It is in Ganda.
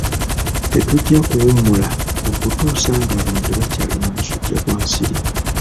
Tetujja kuwummula okutuusa ng'abantu tebakyayina musujja gwa nsiri.